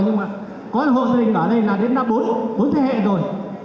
nhưng mà có hội gia đình ở đây là đến đã bốn thế hệ rồi